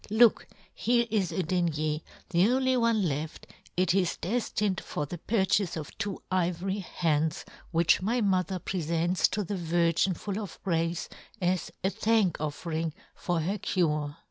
Look ! here is a denier, " the only one left ; it is deflined for " the purchafe of two ivory hands, " which my motheir prefents to the " Virgin full of grace, as a thank " offering for her cure.'